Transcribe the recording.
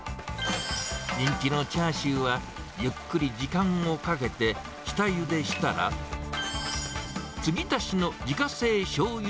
人気のチャーシューは、ゆっくり時間をかけて、下ゆでしたら、つぎ足しの自家製しょうゆ